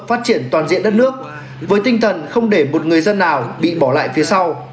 phát triển toàn diện đất nước với tinh thần không để một người dân nào bị bỏ lại phía sau